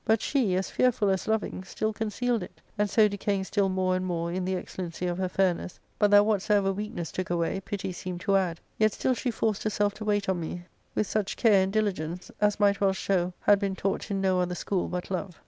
But she, as fearful as loving, still concealed it ; and so decaying still more and more in the^excellency of her fairness, t)ut that whatsoever weakness took away pity seemed to add ; yet still shQ forced herself to wait on me with such care and P 2 212 ARCADIA.—Book IL diligence as might well show had been taught in no other ^chool but love.